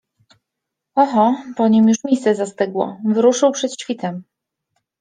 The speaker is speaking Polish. Oho, po nim już miejsce zastygło, wyruszył przed świtem.